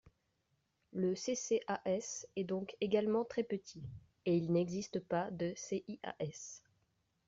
Le CCAS est donc également très petit, et il n’existe pas de CIAS.